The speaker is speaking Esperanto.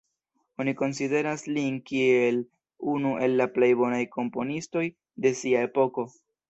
Oni konsideras lin kiel unu el la plej bonaj komponistoj de sia epoko.